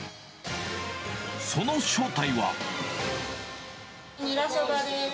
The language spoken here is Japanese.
その正体は。